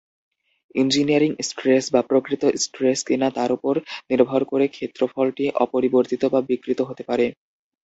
Engineering stress বা প্রকৃত stress কিনা তার উপর নির্ভর করে ক্ষেত্রফল টি অপরিবর্তিত বা বিকৃত হতে পারে।